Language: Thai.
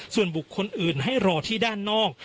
ส่วนบุคคลอื่นให้รอที่ด้านนอก